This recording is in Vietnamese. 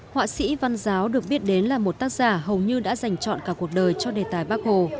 họa sĩ văn giáo được biết đến là một tác giả hầu như đã dành chọn cả cuộc đời cho đề tài bác hồ